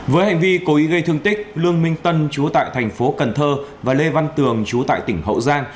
với hành vi cố ý gây thương tích lương minh tân chú tại thành phố cần thơ và lê văn tường chú tại tỉnh hậu giang